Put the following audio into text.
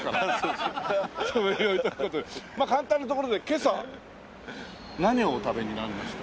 簡単なところで今朝何をお食べになりました？